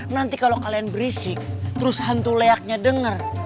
nanti kalau kalian berisik terus hantu leaknya dengar